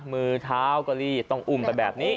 มือเท้ากะลีต้องอุ่มแบบนี้